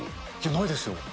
ないですよ。